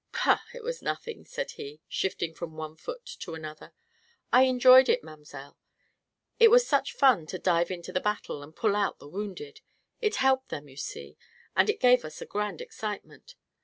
"Pah! it was nothing," said he, shifting from one foot to another. "I enjoyed it, mamselle. It was such fun to dive into the battle and pull out the wounded. It helped them, you see, and it gave us a grand excitement.